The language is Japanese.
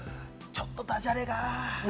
ちょっとダジャレが。